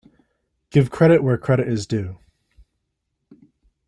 Give credit where credit is due.